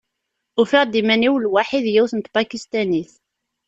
Ufiɣ-d iman-iw lwaḥi d yiwet n Tpakistanit.